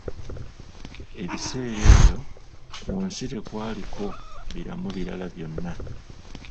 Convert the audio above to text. Ebiseera ebyo ku nsi tekwaliko biramu birala byonna